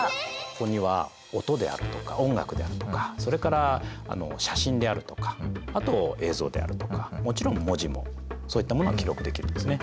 ここには音であるとか音楽であるとかそれから写真であるとかあと映像であるとかもちろん文字もそういったものは記録できるんですね。